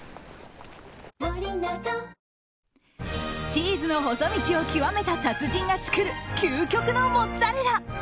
チーズの細道を極めた達人が作る究極のモッツァレラ！